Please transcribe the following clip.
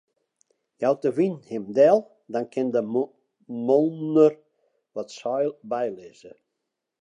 Jout de wyn him del, dan kin de mûnder wat seil bylizze.